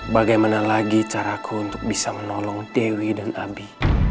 bagaimana lagi caraku untuk bisa menolong dewi dan abi